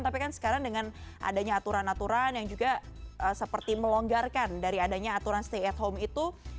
tapi kan sekarang dengan adanya aturan aturan yang juga seperti melonggarkan dari adanya aturan stay at home itu